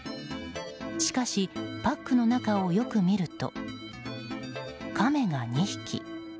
しかし、パックの中をよく見るとカメが２匹。